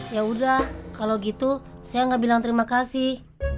ya udah kalau gitu saya nggak bilang terima kasih